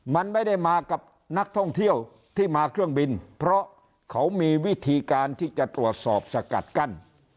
มันไม่ได้มากับนักท่องเที่ยวที่มาเครื่องบินเพราะเขามีวิธีการที่จะตรวจสอบสกัดกั้น